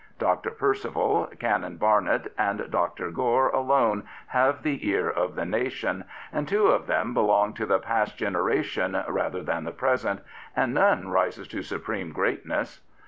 Dr. Percival, Canon Barnett* and Dr. Gore alone have the ear of the nation, and two of them belong to the past generation rather than the present, and none rises to supreme greatness.